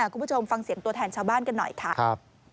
คุณผู้ชมฟังเสียงตัวแทนชาวบ้านกันหน่อยค่ะ